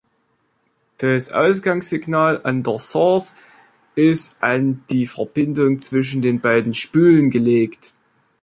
Das Ausgangssignal an der Source ist an die Verbindung zwischen den beiden Spulen gelegt.